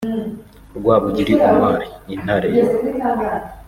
Rwabugiri Omar (Intare)